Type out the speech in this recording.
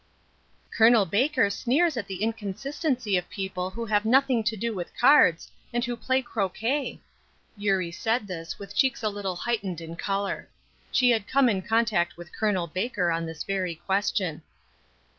"Col. Baker sneers at the inconsistency of people who have nothing to do with cards, and who play croquet," Eurie said this with cheeks a little heightened in color; she had come in contact with Col. Baker on this very question.